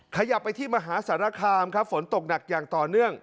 ขยับไปที่มหาสารคามครับฝนตกหนักอย่างต่อเนื่อง